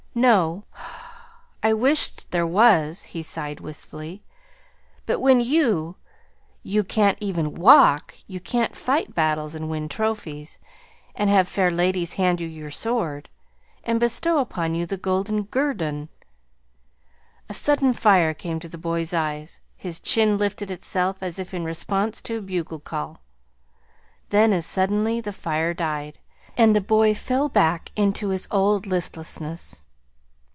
"No; I wish't there was," he sighed wistfully. "But when you you can't even WALK, you can't fight battles and win trophies, and have fair ladies hand you your sword, and bestow upon you the golden guerdon." A sudden fire came to the boy's eyes. His chin lifted itself as if in response to a bugle call. Then, as suddenly, the fire died, and the boy fell back into his old listlessness.